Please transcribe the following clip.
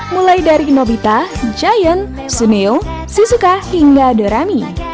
mulai dari nobita giant suneo sisuka hingga dorami